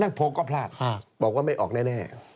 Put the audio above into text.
นั่นโพลก็พลาดค่ะบอกว่าไม่ออกแน่